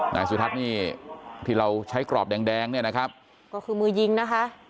นายสุทัศน์นี่ที่เราใช้กรอบแดงแดงเนี่ยนะครับก็คือมือยิงนะคะ